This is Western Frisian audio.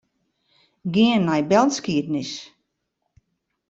Gean nei belskiednis.